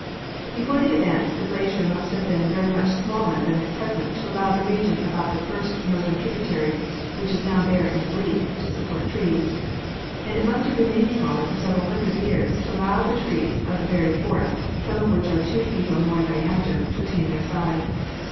Before the advance the glacier must have been very much smaller than at present to allow the region about the first north ern tributary, which is now bare and bleak, to support trees ; and it must have remained smaller for several hundred years to allow the trees of the buried forest, some of which are two feet or more in diameter, to attain their size.